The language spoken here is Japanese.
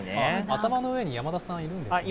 頭の上に山田さんいるんですね。